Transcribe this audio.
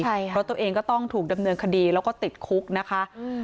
เพราะตัวเองก็ต้องถูกดำเนินคดีแล้วก็ติดคุกนะคะอืม